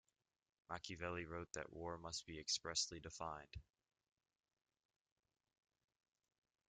Machiavelli wrote that war must be expressly defined.